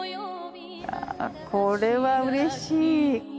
これはうれしい。